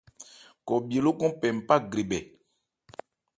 Khɔ bhye lókɔn pɛ npá grebhɛ.